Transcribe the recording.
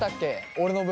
俺の分。